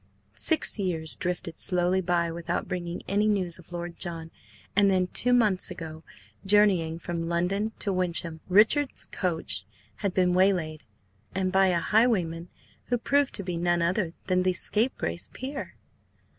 Six years drifted slowly by without bringing any news of Lord John, and then, two months ago, journeying from London to Wyncham, Richard's coach had been waylaid, and by a highwayman who proved to be none other than the scapegrace peer.